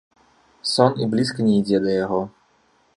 Сон і блізка не ідзе да яго.